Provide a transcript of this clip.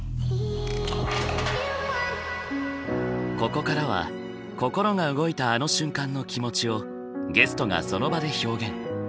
ここからは心が動いたあの瞬間の気持ちをゲストがその場で表現。